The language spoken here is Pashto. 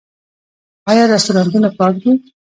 آیا رستورانتونه پاک دي؟